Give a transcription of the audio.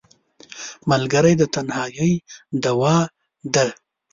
ملګری د تنهایۍ دواء ده